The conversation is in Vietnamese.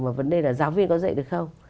mà vấn đề là giáo viên có dạy được không